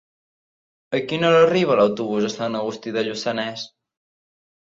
A quina hora arriba l'autobús de Sant Agustí de Lluçanès?